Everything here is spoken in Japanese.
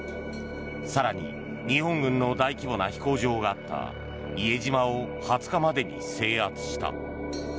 更に、日本軍の大規模な飛行場があった伊江島を２０日までに制圧した。